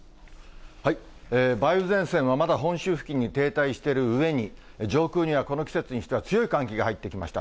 梅雨前線はまだ本州付近に停滞しているうえに、上空にはこの季節にしては強い寒気が入ってきました。